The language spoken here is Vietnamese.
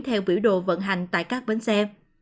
theo biểu đồ vận hành tại các bến xe